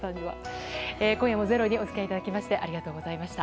今夜も「ｚｅｒｏ」にお付き合いいただきましてありがとうございました。